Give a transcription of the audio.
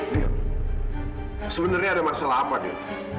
dil sebenarnya ada masalah apa dil